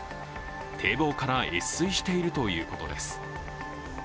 堤防から越水しているということです。